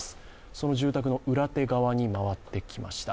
その住宅の裏手側に回ってきました。